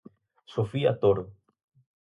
Sofía Toro.